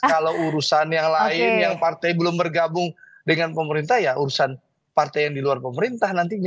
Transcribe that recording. kalau urusan yang lain yang partai belum bergabung dengan pemerintah ya urusan partai yang di luar pemerintah nantinya